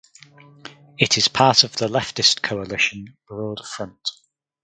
It is part of the leftist coalition Broad Front.